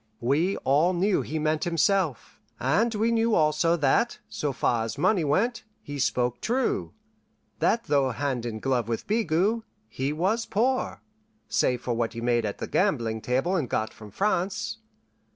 We all knew he meant himself, and we knew also that so far as money went he spoke true; that though hand in glove with Bigot, he was poor, save for what he made at the gaming table and got from France.